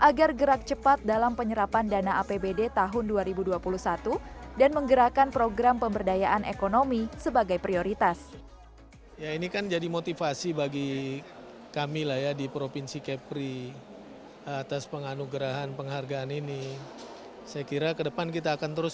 agar gerak cepat dalam penyerapan dana apbd tahun dua ribu dua puluh satu dan menggerakkan program pemberdayaan ekonomi sebagai prioritas